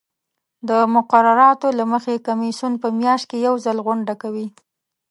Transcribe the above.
د مقرراتو له مخې کمیسیون په میاشت کې یو ځل غونډه کوي.